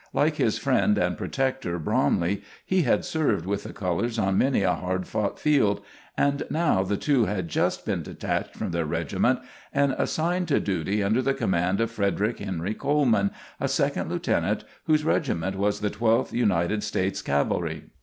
Like his friend and protector, Bromley, he had served with the colors on many a hard fought field, and now the two had just been detached from their regiment and assigned to duty under the command of Frederick Henry Coleman, a second lieutenant whose regiment was the 12th United States Cavalry.